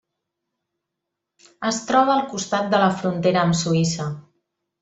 Es troba al costat de la frontera amb Suïssa.